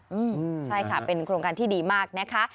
อืมใช่ค่ะเป็นโครงการที่ดีมากนะคะ